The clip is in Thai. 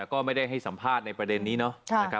ก็ไม่ได้ให้สัมภาษณ์ในประเด็นนี้เนาะ